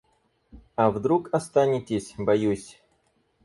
А вдруг останетесь, боюсь.